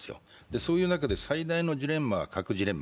そういう中で、最大のジレンマは核ジレンマ。